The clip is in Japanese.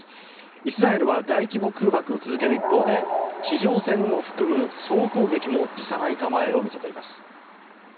イスラエルは大規模空爆を続ける一方で地上戦を含む総攻撃も辞さない構えを見せています。